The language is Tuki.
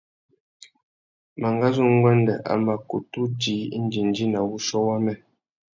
Mangazu nguêndê a mà kutu djï indjindjï na wuchiô wamê.